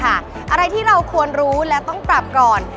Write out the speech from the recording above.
อะไรที่เราควรรู้และต้องปรับก่อน